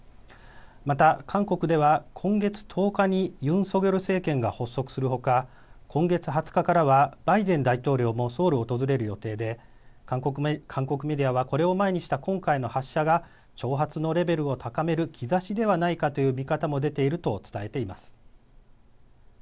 また韓国では今月１０日にユン・ソギョル政権が発足するほか、今月２０日からはバイデン大統領もソウルを訪れる予定で韓国メディアはこれを前にした今回の発射が挑発のレベルを高める兆しではないかという見方も出ていると伝えています。